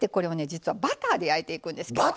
実はバターで焼いていくんです今日。